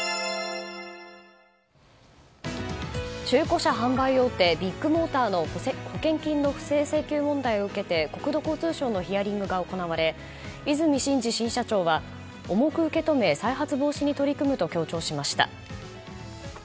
中古車販売大手ビッグモーターの保険金の不正請求問題を受け国土交通省のヒアリングが行われ和泉伸二新社長は重く受け止め再発防止に取り組むと強調しました。